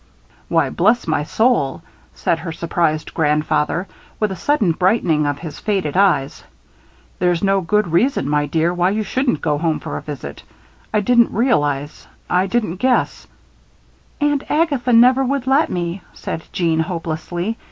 "Why, bless my soul!" said her surprised grandfather; with a sudden brightening of his faded eyes. "There's no good reason, my dear, why you shouldn't go home for a visit. I didn't realize, I didn't guess " "Aunt Agatha never would let me," said Jeanne, hopelessly.